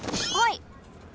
はい！